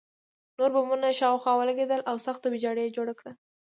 نور بمونه شاوخوا ولګېدل او سخته ویجاړي یې جوړه کړه